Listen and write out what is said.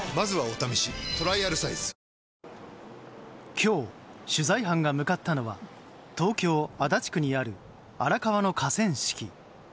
今日、取材班が向かったのは東京・足立区にある荒川の河川敷。